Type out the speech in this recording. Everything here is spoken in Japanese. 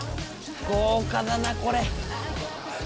豪華だなこれ。